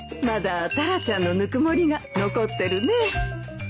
まだタラちゃんのぬくもりが残ってるね